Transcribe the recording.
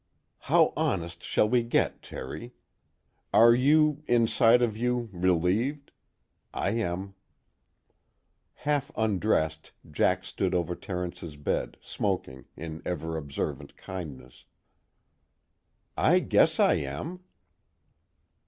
"How honest shall we get, Terry? Are you, inside of you, relieved? I am." Half undressed, Jack stood over Terence's bed, smoking, in ever observant kindness. "I guess I am."